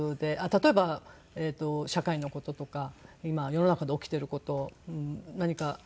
例えば社会の事とか今世の中で起きている事を何か。